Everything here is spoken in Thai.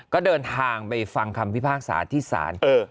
ก็เดินทางไปฟังคำพิพาสาที่สารเออ